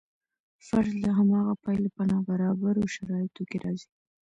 فرد له هماغه پیله په نابرابرو شرایطو کې راځي.